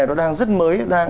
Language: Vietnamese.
nó đang rất mới